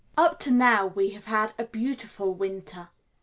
Up to now we have had a beautiful winter.